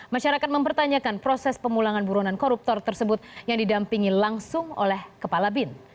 masyarakat mempertanyakan proses pemulangan burunan koruptor tersebut yang didampingi langsung oleh kepala bin